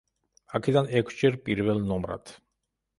აქედან ექვსჯერ პირველ ნომრად.